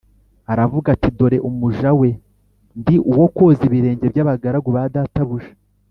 aravuga ati “Dore umuja we, ndi uwo koza ibirenge by’abagaragu ba databuja.”